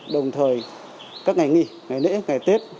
đồng thời các ngày nghỉ ngày lễ ngày tết